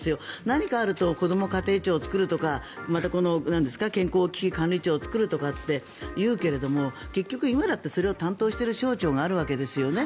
何かあるとこども家庭庁を作るとかまたこの健康危機管理庁を作るとかって言うけれども結局、今だってそれを担当している省庁があるわけですよね。